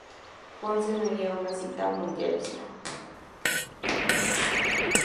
Ponce no iría a la cita mundialista.